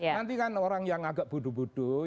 nanti kan orang yang agak bodoh bodoh